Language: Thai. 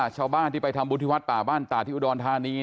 ชาวบ้านที่ไปทำบุญที่วัดป่าบ้านตาที่อุดรธานี